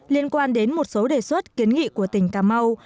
liên quan đến một số đề xuất kiến nghị của tỉnh cà mau